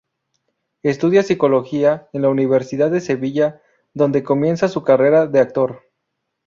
Estudia Psicología en la Universidad de Sevilla, donde comienza su carrera de actor.